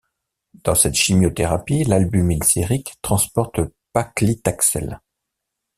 Dans cette chimiothérapie, l'albumine sérique transporte le paclitaxel.